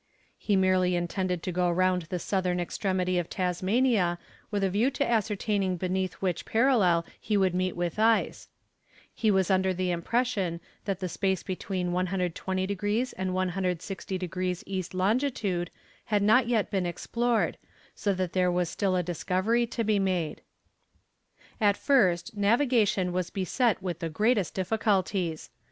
He merely intended to go round the southern extremity of Tasmania with a view to ascertaining beneath which parallel he would meet with ice. He was under the impression that the space between 120 degrees and 160 degrees E. long. had not yet been explored, so that there was still a discovery to be made. At first navigation was beset with the greatest difficulties.